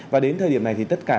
và đến thời điểm này thì tất cả